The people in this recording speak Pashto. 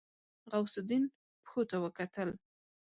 غوث الدين پښو ته وکتل.